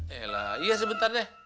yaelah iya sebentar deh